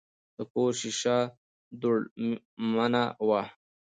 د کور شیشه دوړمنه وه.